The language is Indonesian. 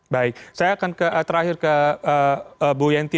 baik saya akan terakhir ke bu yenty